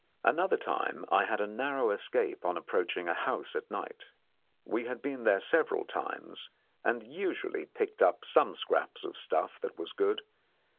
Another time I had a narrow escape on approaching a house at night. We had been there several times, and usually picked up some scraps of stuff that was good.